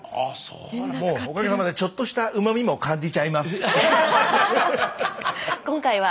おかげさまでちょっとしたうま味も感じちゃいます。